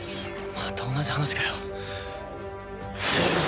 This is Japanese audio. また同じ話かよ。